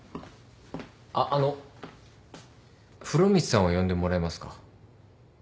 あっあの風呂光さんを呼んでもらえますか？